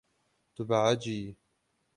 Tu behecî yî.